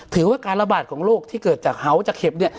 ถือว่าการระบาดของโรคที่เกิดจากเหาจากเห็บเนี่ย